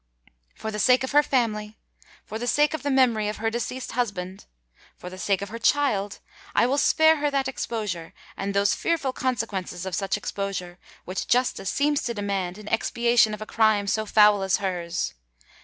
For the sake of her family—for the sake of the memory of her deceased husband—for the sake of her child, I will spare her that exposure, and those fearful consequences of such exposure, which justice seems to demand in expiation of a crime so foul as hers.